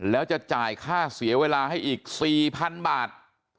แล้วจะจ่ายค่าเสียเวลาให้อีก๔๐๐๐บาท